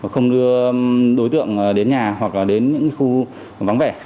không đưa đối tượng đến nhà hoặc là đến những khu vắng vẻ